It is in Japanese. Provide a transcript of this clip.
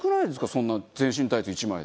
そんな全身タイツ１枚で。